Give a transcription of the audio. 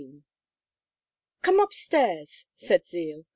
XV "Come up stairs," said Zeal.